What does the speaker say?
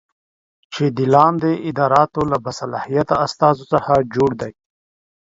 چې د لاندې اداراتو له باصلاحیته استازو څخه جوړه دی